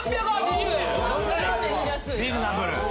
安い！リーズナブル。